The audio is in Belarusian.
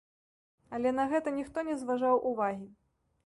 Але на гэта ніхто не зважаў увагі.